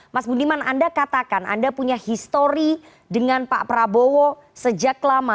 mas budiman anda katakan anda punya histori dengan pak prabowo sejak lama